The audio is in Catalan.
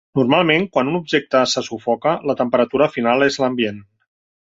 Normalment, quan un objecte se sufoca, la temperatura final és l'ambient.